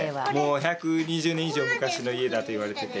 １２０年以上昔の家だといわれてて。